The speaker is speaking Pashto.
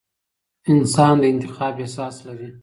انسان د انتخاب احساس لري.